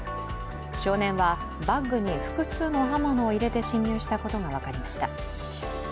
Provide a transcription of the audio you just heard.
少年はバッグに複数の刃物を入れて侵入したことが分かりました。